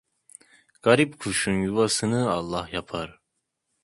Garip kuşun yuvasını Allah yapar.